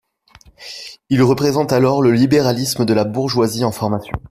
Il représente alors le libéralisme de la bourgeoisie en formation.